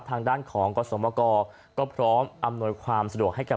ทางด้านของกสมกรก็พร้อมอำนวยความสะดวกให้กับ